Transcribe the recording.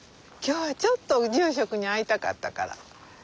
今日はちょっと住職に会いたかったから。